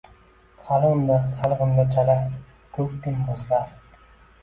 Hali unda, hali bunda, chala ko‘k gumbazlar